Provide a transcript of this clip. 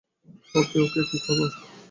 ওকে, okay কি খবর?